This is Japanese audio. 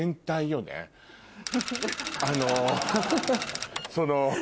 あのその。